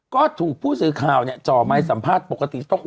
ก็ถูกผู้สื่อข่าวเนี่ยจ่อไม้สัมภาษณ์ปกติ